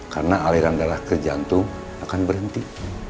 karena aliran darah ke jantung akan berhenti